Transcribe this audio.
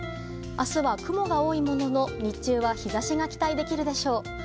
明日は雲が多いものの日中は日差しが期待できるでしょう。